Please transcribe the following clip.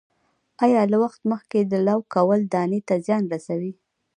آیا له وخت مخکې لو کول دانې ته زیان رسوي؟